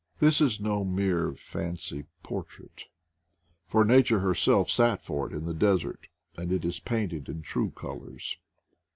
This is no mere fancy portrait, for Nature her self sat for it in the desert, and it is painted in true colors.